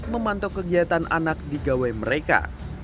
kemudian dipercaya kegiatan anak di gawe mereka